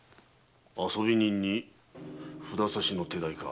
遊び人に札差の手代か。